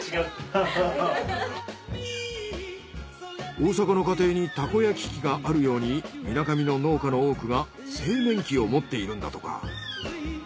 大阪の家庭にたこ焼き器があるようにみなかみの農家の多くが製麺機を持っているんだとか。